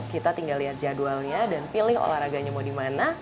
kita tinggal lihat jadwalnya dan pilih olahraganya mau dimana